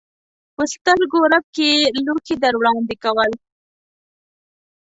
په سترګو رپ کې یې لوښي در وړاندې کول.